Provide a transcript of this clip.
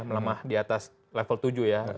melemah di atas level tujuh ya